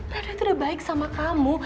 dia udah baik sama kamu